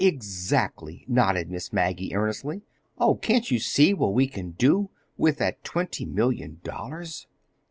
"Exactly!" nodded Miss Maggie earnestly. "Oh, can't you see what we can do—with that twenty million dollars?"